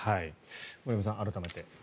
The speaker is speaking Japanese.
森山さん、改めて。